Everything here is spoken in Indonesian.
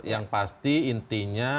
yang pasti intinya